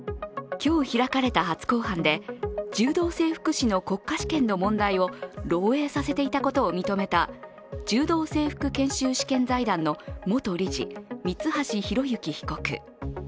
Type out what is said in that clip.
今日、開かれた初公判で柔道整復師の国家試験の問題を漏えいさせていたことを認めた柔道整復研修試験財団の元理事三橋裕之被告。